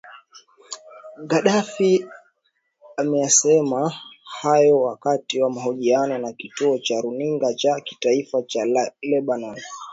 gaddafi ameyasema hayo wakati wa mahojiano na kituo cha runinga cha kitaifa cha lebanon